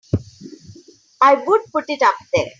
I would put it up there!